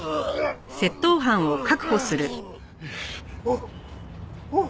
おっおっ！